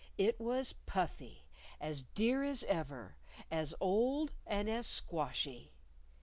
It was Puffy, as dear as ever! As old and as squashy!